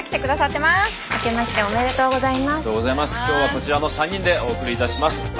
今日はこちらの３人でお送りいたします。